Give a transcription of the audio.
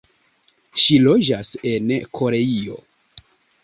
Ŝi loĝas en Koreio.